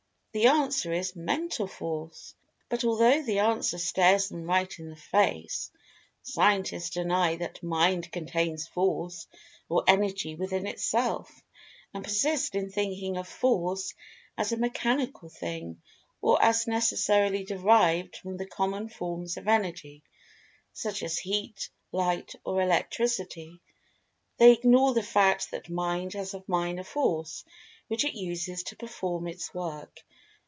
The answer is "Mental Force!" But although the answer stares them right in the face, scientists deny that Mind contains Force or Energy within itself, and persist in thinking of Force as a "mechanical thing," or as necessarily derived from the common forms of Energy, such as Heat, Light or Electricity. They ignore the fact that Mind has a Finer Force which it uses to perform its work.